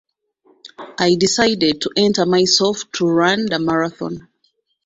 I decided to enter myself to run the marathon.